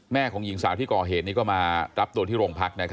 ของหญิงสาวที่ก่อเหตุนี้ก็มารับตัวที่โรงพัก